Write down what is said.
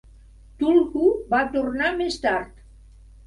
Cthulhu va tornar més tard.